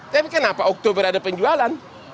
tapi kenapa oktober ada penjualan